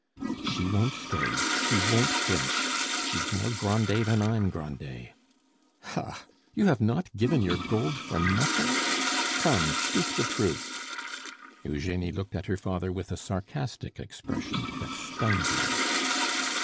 "She won't stir; she won't flinch! She's more Grandet than I'm Grandet! Ha! you have not given your gold for nothing? Come, speak the truth!" Eugenie looked at her father with a sarcastic expression that stung him.